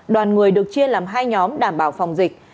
đoàn người được chia làm hai nhóm đảm bảo phòng dịch